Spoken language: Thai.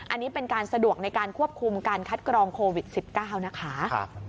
อันนี้เป็นการสะดวกในการควบคุมการคัดกรองโควิด๑๙นะคะ